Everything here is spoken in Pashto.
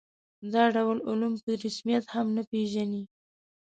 دا ډول علوم په رسمیت هم نه پېژني.